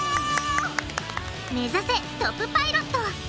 目指せトップ☆パイロット！